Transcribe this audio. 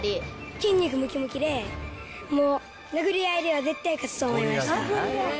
筋肉むきむきで、もう殴り合いでは絶対勝つと思いました。